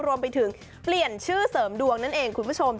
รวมไปถึงเปลี่ยนชื่อเสริมดวงนั่นเองคุณผู้ชม